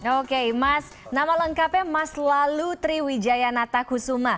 oke mas nama lengkapnya mas lalu triwijaya natakusuma